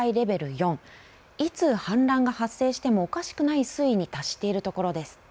４いつ氾濫が発生してもおかしくない水位に達しているところです。